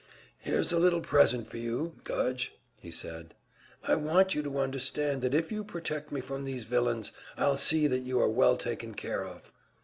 "Here's a little present for you, Gudge," he said. "I want you to understand that if you protect me from these villains, I'll see that you are well taken care of.